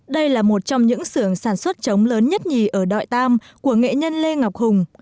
đây là một trong những xưởng sản xuất trống lớn nhất nhì ở đội tam của nghệ nhân lê ngọc hùng